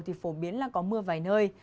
thì phổ biến là có mưa vài nơi